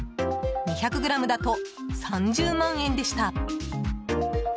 ２００ｇだと３０万円でした。